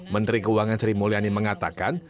menteri keuangan sri mulyani mengatakan